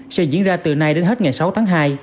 sẽ diễn ra từ nay đến hết ngày sáu tháng hai